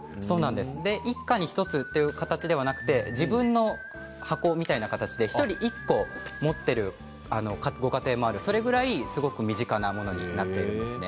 一家に１つという形ではなく自分の箱みたいな形で１人１個持っているというご家庭もあるそれぐらいすごく身近なものになっているんですね。